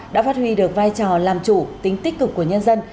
đã phát huy được vai trò làm chủ tính tích cực của nhân dân